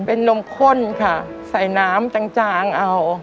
เป็นนมข้นค่ะใส่น้ำจางเอา